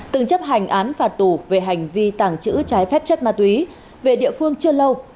từng chấp hành án phạt tù về hành vi tàng trữ trái phép chất ma túy về địa phương chưa lâu